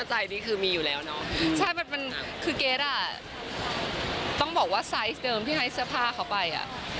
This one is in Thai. ใช่คือเกทอ่ะต้องบอกว่าสไซส์เดิมที่ให้เสื้อผ้าเขาไปอ่ะ